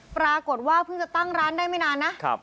ปรากฏว่าเพิ่งจะตั้งร้านได้ไม่นานนะ